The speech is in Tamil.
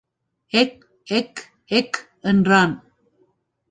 எக் எக் எக் என்றான்.